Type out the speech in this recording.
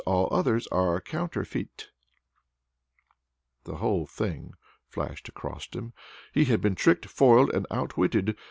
All others are counterfeite. The whole thing flashed across him. He had been tricked, foiled, and outwitted!